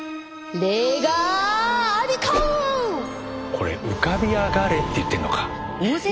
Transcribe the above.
これ浮かび上がれって言ってるのか。